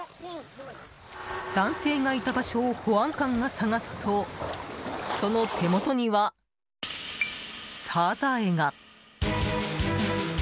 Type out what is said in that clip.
男性がいた場所を保安官が探すとその手元にはサザエが。